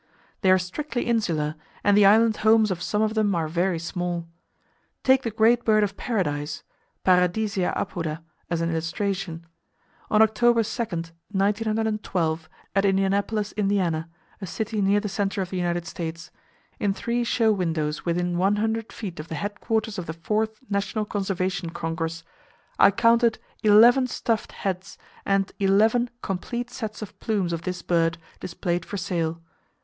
They are strictly insular, and the island homes of some of them are very small. Take the great bird of paradise (Paradisea apoda) as an illustration. On Oct. 2, 1912, at Indianapolis, Indiana, a city near the center of the United States, in three show windows within 100 feet of the headquarters of the Fourth National Conservation Congress, I counted 11 stuffed heads and 11 complete sets of plumes of this bird, displayed for sale.